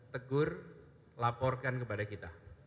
tegur laporkan kepada kita